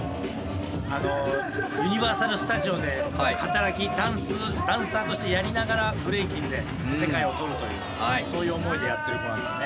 ユニバーサルスタジオで働きダンスダンサーとしてやりながらブレイキンで世界を取るというそういう思いでやってる子なんですよね。